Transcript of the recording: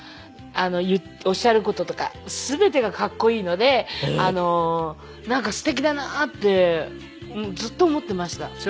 おっしゃる事とか全てがかっこいいのでなんかすてきだなってずっと思っていました。